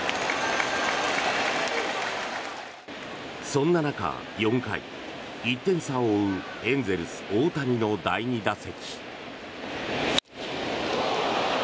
そんな中、４回、１点差を追うエンゼルス、大谷の第２打席。